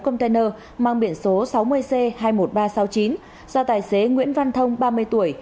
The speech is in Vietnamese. container mang biển số sáu mươi c hai mươi một nghìn ba trăm sáu mươi chín do tài xế nguyễn văn thông ba mươi tuổi